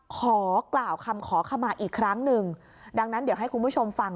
ขอกล่าวคำขอขมาอีกครั้งหนึ่งดังนั้นเดี๋ยวให้คุณผู้ชมฟัง